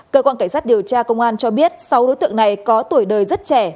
cơ quan cảnh sát điều tra công an cho biết sáu đối tượng này có tuổi đời rất trẻ